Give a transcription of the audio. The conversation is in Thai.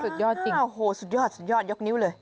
สุดยอดจริงโอ้โหสุดยอดสุดยอดยกนิ้วเลย